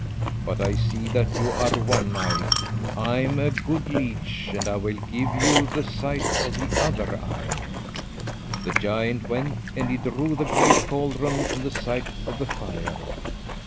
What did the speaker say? But I see that you are one eyed. I am a good leech, and I will give you the sight of the other eye.' The giant went and he drew the great caldron on the site of the fire.